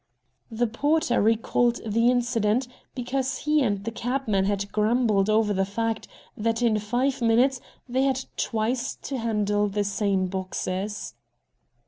The porter recalled the incident because he and the cabman had grumbled over the fact that in five minutes they had twice to handle the same boxes.